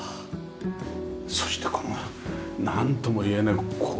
そしてこのなんともいえない